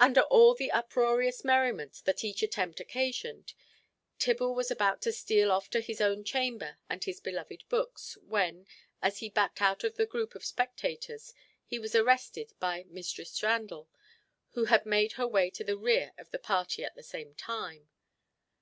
Under all the uproarious merriment that each attempt occasioned, Tibble was about to steal off to his own chamber and his beloved books, when, as he backed out of the group of spectators, he was arrested by Mistress Randall, who had made her way into the rear of the party at the same time.